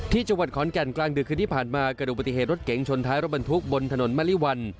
ที่จังหวัดขอนแก่นกลางดึกคืนที่ผ่านมาเกิดดูปฏิเหตุรถเก๋งชนท้ายรถบรรทุกบนถนนมะลิวัน